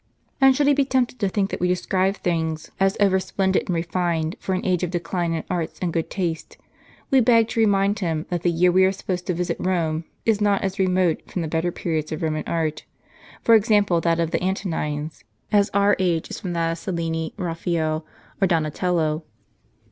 And should he be tempted to think that we describe things as over splendid and refined for an age of decline in arts and good taste, we beg to remind him, that the year we are supposed to visit Rome is not as remote w from the better periods of Roman art, for example, that of the Antonines, as our age is from that of CelHni, Raffaele, or Donatello.